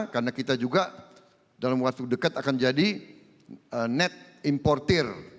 karena kita juga dalam waktu dekat akan jadi net importer